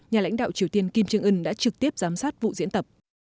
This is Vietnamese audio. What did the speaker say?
nhà lãnh đạo triều tiên kim trương ưn đã trực tiếp giám sát vụ diễn tập